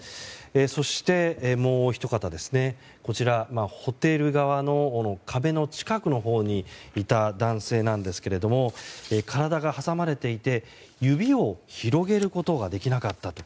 そして、もうひと方ホテル側の壁の近くのほうにいた男性なんですけども体が挟まれていて指を広げることができなかった。